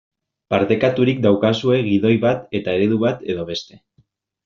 Partekaturik daukazue gidoi bat eta eredu bat edo beste.